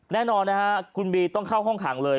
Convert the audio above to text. แน่นอนคุณบีต้องเข้าห้องห่างเลย